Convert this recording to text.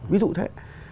ví dụ thế